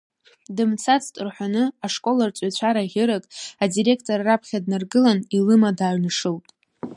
Дымцацт рҳәоны, ашкол арҵаҩцәа раӷьырак, адиреқтор раԥхьа днаргылан, илыма дааҩнашылт.